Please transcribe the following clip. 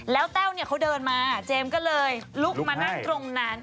แล้วแต้วเนี่ยเขาเดินมาเจมส์ก็เลยลุกมานั่งตรงนั้น